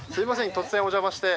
突然お邪魔して。